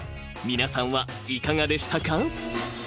［皆さんはいかがでしたか？］